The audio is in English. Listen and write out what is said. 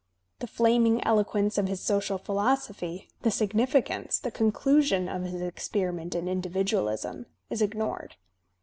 The flaming eloquence of his social philosophy, the significance, the conclusion of his experiment in individualism, is ignored.